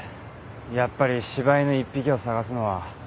やっぱり柴犬１匹を探すのは。